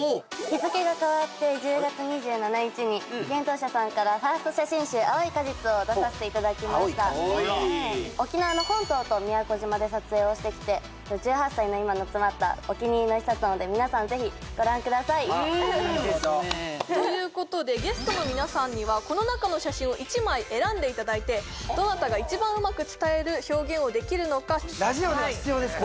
日付が変わって１０月２７日に幻冬舎さんからファースト写真集「青い果実」を出させていただきました沖縄の本島と宮古島で撮影をしてきて１８歳の今の詰まったお気に入りの一冊なので皆さんぜひご覧くださいということでゲストの皆さんにはこの中の写真を１枚選んでいただいてどなたが一番うまく伝える表現をできるのかラジオでは必要です